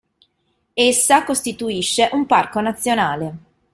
Essa costituisce un parco nazionale.